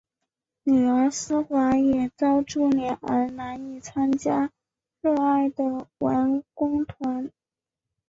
女儿思华也遭株连而难以参加热爱的文工团。